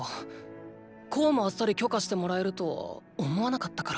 こうもあっさり許可してもらえるとは思わなかったから。